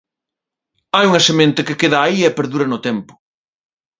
Hai unha semente que queda aí e perdura no tempo.